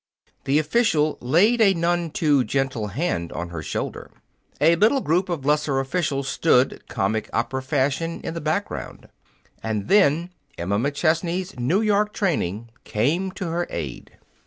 The official laid a none too gentle hand on her shoulder. A little group of lesser officials stood, comic opera fashion, in the background. And then Emma McChesney's New York training came to her aid.